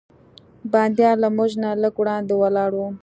بندیان له موږ نه لږ وړاندې ولاړ و.